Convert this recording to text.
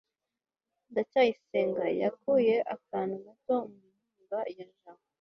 ndacyayisenga yakuye akantu gato mu nkunga ya jabo